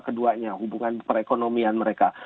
keduanya hubungan perekonomian mereka